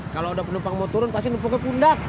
kalau ada penumpang mau turun pasti numpuk ke pundak